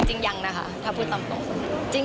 จริงยังนะคะถ้าพูดตามตรงสุด